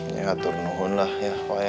ya turun turun lah ya pak ya